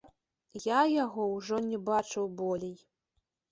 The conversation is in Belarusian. Я яго ўжо не бачыў болей.